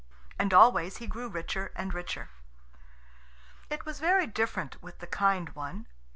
And always he grew richer and richer. It was very different with the kind one.